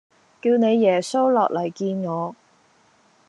叫你耶穌落嚟見我